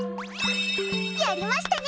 やりましたね！